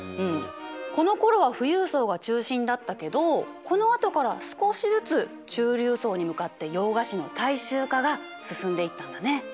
このころは富裕層が中心だったけどこのあとから少しずつ中流層に向かって洋菓子の大衆化が進んでいったんだね。